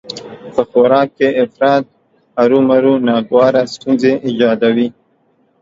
په خوراک کې افراط هرومرو ناګواره ستونزې ايجادوي